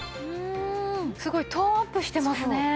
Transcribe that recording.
すごいトーンアップしてますね。